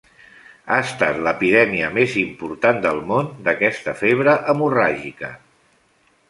Ha estat l'epidèmia més important del món d'aquesta febre hemorràgica.